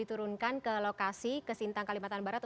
diturunkan ke lokasi ke sintang kalimantan barat